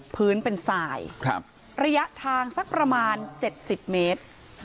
พื้นเป็นสายระยะทางสักประมาณ๗๐เมตร